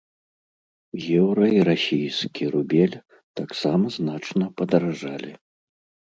Еўра і расійскі рубель таксама значна падаражалі.